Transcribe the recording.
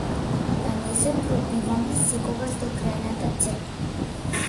Да не се пробиваме секогаш до крајната цел.